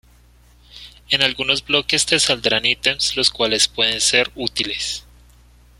En algunos bloques te saldrán items los cuales pueden ser útiles.